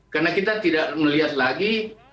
karena kita tidak melihat lagi